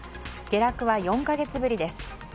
下落は４か月ぶりです。